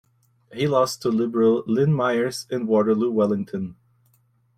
He lost to Liberal Lynn Myers in Waterloo-Wellington.